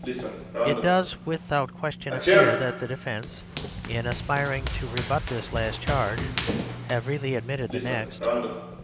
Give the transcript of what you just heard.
It does without question appear that the defence, in aspiring to rebut this last charge, have really admitted the next.